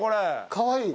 かわいい。